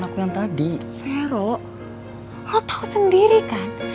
lo tau sendiri kan